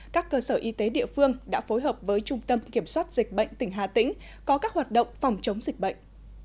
các cơ sở y tế địa phương đã phối hợp với trung tâm kiểm soát dịch bệnh tỉnh hà tĩnh có các hoạt động phòng chống dịch bệnh